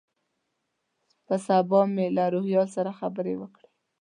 په سبا مې له روهیال سره خبرې وکړې.